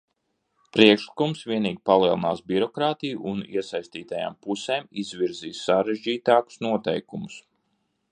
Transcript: Priekšlikums vienīgi palielinās birokrātiju un iesaistītajām pusēm izvirzīs sarežģītākus noteikumus.